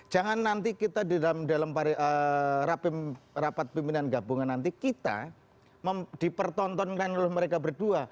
jangan nanti kita di dalam rapat pimpinan gabungan nanti kita dipertontonkan oleh mereka berdua